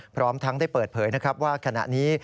พร้อมทั้งได้เปิดเผยนะครับว่าขณะนี้